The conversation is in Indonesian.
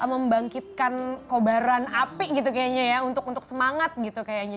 membangkitkan kobaran api gitu kayaknya ya untuk semangat gitu kayaknya